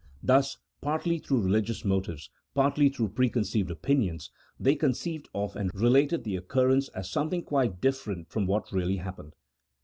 Thus, partly through religious motives, partly through preconceived opinions, they conceived of and re lated the occurrence as something quite different from what really happened.